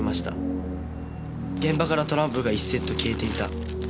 現場からトランプが１セット消えていた。